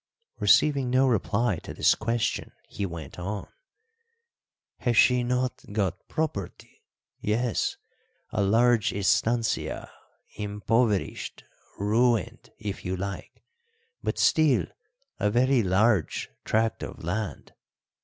Receiving no reply to this question, he went on: "Has she not got property? Yes, a large estancia, impoverished, ruined, if you like, but still a very large tract of land.